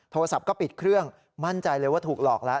โทรศัพท์ก็ปิดเครื่องมั่นใจเลยว่าถูกหลอกแล้ว